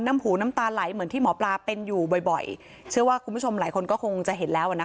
น้ำหูน้ำตาไหลเหมือนที่หมอปลาเป็นอยู่บ่อยบ่อยเชื่อว่าคุณผู้ชมหลายคนก็คงจะเห็นแล้วอ่ะนะคะ